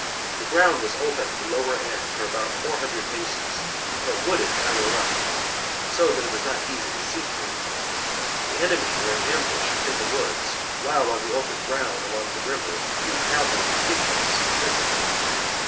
The ground was open at the lower end for about four hundred paces, but wooded higher up, so that it was not easy to see through. The enemy were in ambush within the woods, while on the open ground along the river a few cavalry piquets were visible.